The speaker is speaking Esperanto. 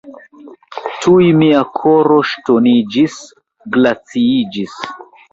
Tuj mia koro ŝtoniĝis, glaciiĝis.